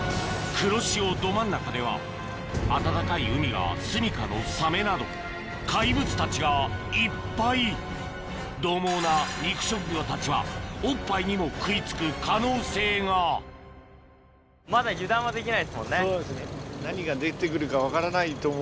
黒潮ど真ん中では暖かい海がすみかのサメなど怪物たちがいっぱいどう猛な肉食魚たちはおっぱいにも食い付く可能性がはい。